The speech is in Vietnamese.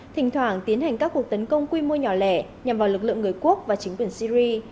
thỉnh thoảng tiến hành các cuộc tấn công quy mô nhỏ lẻ nhằm vào lực lượng người quốc và chính quyền syri